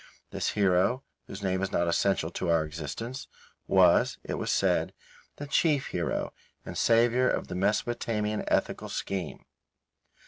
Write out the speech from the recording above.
This hero, whose name is not essential to our existence, was, it was said, the chief hero and Saviour of the Mesopotamian ethical scheme.